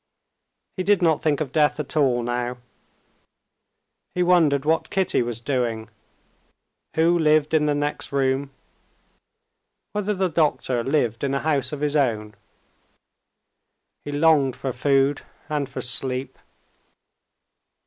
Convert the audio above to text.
He did not think of death at all now. He wondered what Kitty was doing; who lived in the next room; whether the doctor lived in a house of his own. He longed for food and for sleep.